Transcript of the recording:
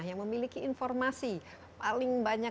nah yang memiliki informasi paling banyak paling banyak